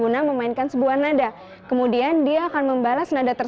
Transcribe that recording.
untuk cnn indonesia